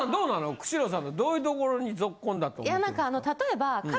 久代さんのどういうところにぞっこんだと思ってる。